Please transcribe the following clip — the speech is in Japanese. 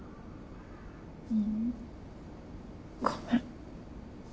ううんごめん。